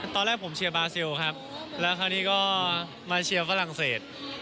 ตอนแรกผมเชียร์บาซิลครับแล้วคราวนี้ก็มาเชียร์ฝรั่งเศส